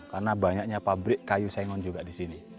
karena banyaknya pabrik kayu sengon juga di sini